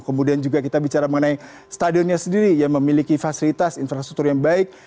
kemudian juga kita bicara mengenai stadionnya sendiri yang memiliki fasilitas infrastruktur yang baik